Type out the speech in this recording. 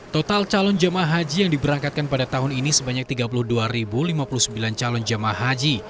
total calon jemaah haji yang diberangkatkan pada tahun ini sebanyak tiga puluh dua lima puluh sembilan calon jamaah haji